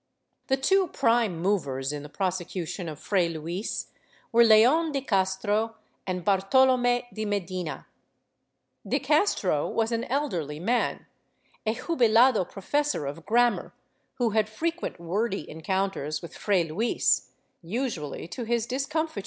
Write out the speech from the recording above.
The two prime movers in the prosecution of Fray Luis were Leon de Castro and Bartolome de Medina. De Castro was an elderly man, a jiibilado professor of Grammar, who had frequent wordy encounters with Fray Luis, usually to his discomfiture.